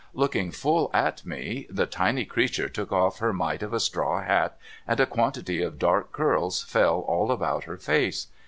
Looking full at me, the tiny creature took off her mite of a straw liat, and a quantity of dark curls fell all about her face.